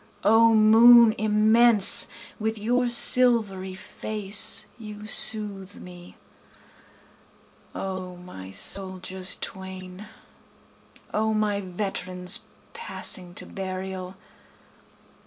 O moon immense with your silvery face you soothe me! O my soldiers twain! O my veterans passing to burial!